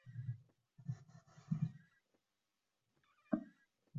与他们相处不是很愉快